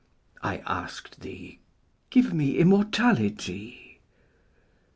I ask'd thee, 'Give me immortality.'